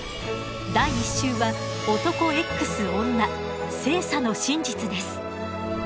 第１集は男Ｘ女性差の真実です。